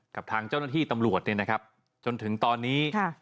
กับทางเจ้าหน้าที่ตำรวจเนี่ยนะครับจนถึงตอนนี้